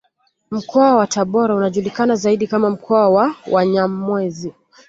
Mkoa wa Tabora unajulikana zaidi kama mkoa wa Wanyamwezi